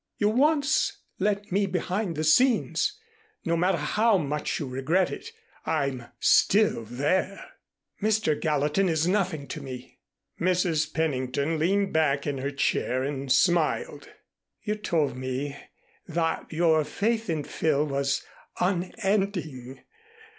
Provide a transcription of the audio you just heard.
You once let me behind the scenes; no matter how much you regret it, I'm still there." "Mr. Gallatin is nothing to me." Mrs. Pennington leaned back in her chair and smiled. "You told me that your faith in Phil was unending.